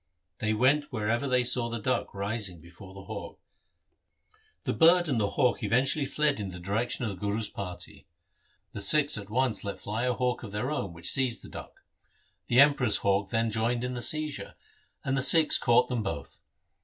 They went wherever they saw the duck rising before the hawk. The bird and the hawk eventually fled in the direction of the 8o THE SIKH RELIGION Guru's party. The Sikhs at once let fly a hawk of their own which seized the duck. The Emperor's hawk then joined in the seizure, and the Sikhs caught them both.